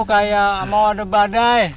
kayak mau ada badai